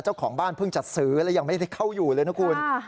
เจ้าของบ้านเพิ่งจะซื้อแล้วยังไม่ได้เข้าอยู่เลยนะคุณ